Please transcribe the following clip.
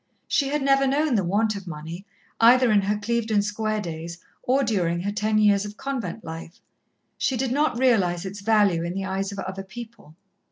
She had never known the want of money, either in her Clevedon Square days or during her ten years of convent life. She did not realize its value in the eyes of other people.